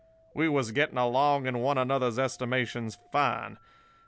We was getting along in one another's estimations fine.